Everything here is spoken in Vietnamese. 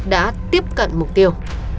đã tiếp cận mục tiêu